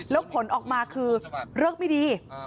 แล้วผลออกมาคือเลิกไม่ดี